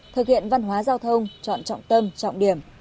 thực hiện văn hóa giao thông chọn trọng tâm trọng điểm